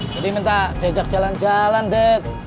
jadi minta diajak jalan jalan dad